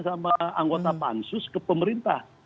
sama anggota pansus ke pemerintah